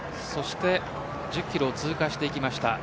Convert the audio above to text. １０キロを通過していきました。